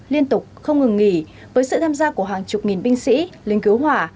liên tục không ngừng nghỉ với sự tham gia của hàng chục nghìn binh sĩ lính cứu hỏa